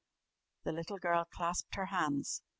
The little girl clasped her hands.